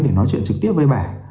để nói chuyện trực tiếp với bà